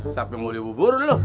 siap yang mulai bubur lu